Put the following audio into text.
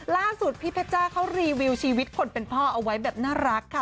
ล่าสุดพี่เพชจ้าเขารีวิวชีวิตคนเป็นพ่อเอาไว้แบบน่ารักค่ะ